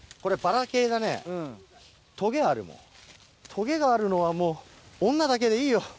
トゲがあるのはもう女だけでいいよ。